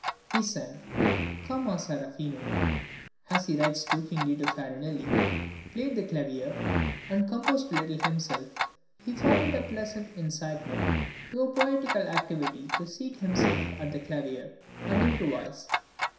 He sang "come un serafino" (as he writes jokingly to Farinelli), played the clavier, and composed a little himself; he found it a pleasant incitement to poetical activity to seat himself at the clavier and improvise.